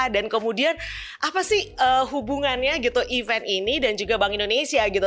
dan kemudian apa sih hubungannya gitu event ini dan juga bank indonesia gitu